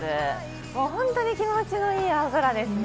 本当に気持ちのいい青空ですね。